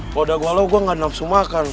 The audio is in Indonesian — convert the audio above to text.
kalo udah gua galau gua ga nafsu makan